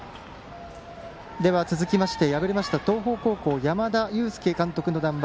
続きまして、敗れました東邦高校、山田祐輔監督の談話